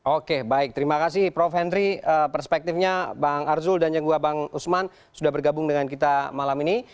oke baik terima kasih prof henry perspektifnya bang arzul dan juga bang usman sudah bergabung dengan kita malam ini